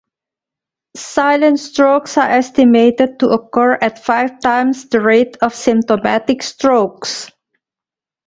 Silent strokes are estimated to occur at five times the rate of symptomatic strokes.